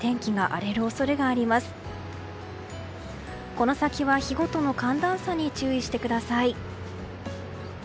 この先は、日ごとの寒暖差に注意してください。